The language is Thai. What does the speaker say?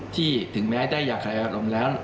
ที่ถึงแม้ได้ยาขยายหลอดลมแล้ว